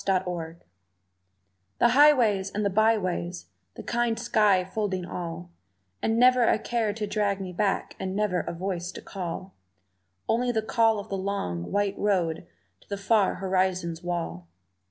Wanderlust THE highways and the byways, the kind sky folding all, And never a care to drag me back and never a voice to call; Only the call of the long, white road to the far horizon's wall.